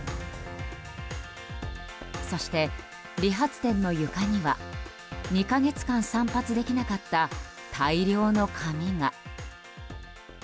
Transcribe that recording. そして、理髪店の床には２か月間、散髪できなかった大量の髪が。